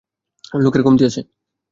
লোকের কমতি আছে।